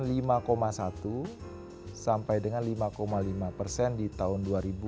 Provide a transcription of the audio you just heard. lima satu sampai dengan lima lima persen di tahun dua ribu dua puluh